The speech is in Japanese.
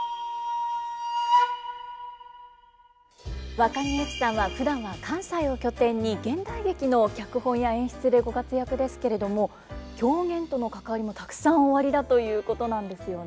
わかぎゑふさんはふだんは関西を拠点に現代劇の脚本や演出でご活躍ですけれども狂言との関わりもたくさんおありだということなんですよね。